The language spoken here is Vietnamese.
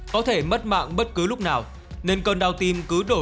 có thể mất mạng bất cứ lúc nào nên cơn đau tim cứ đổ